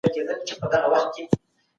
ښه ذهنیت ډار نه راوړي.